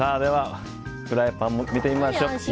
ではフライパン見てみましょう。